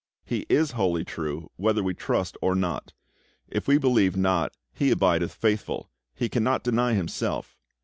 He is wholly true whether we trust or not. "If we believe not, He abideth faithful; He cannot deny Himself."